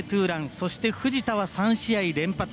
そして、藤田は３試合連発。